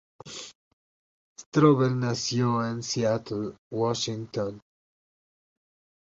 Strobel nació en Seattle, Washington.